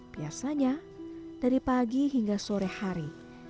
biasanya dari pagi hingga sore hari